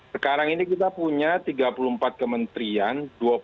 sekarang ini kita punya tiga puluh empat kementerian